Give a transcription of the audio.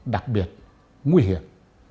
đặc biệt nguy hiểm